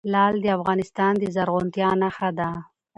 لعل د افغانستان د زرغونتیا نښه ده.